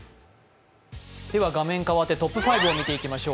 画面変わって、トップ５を見ていきましょう。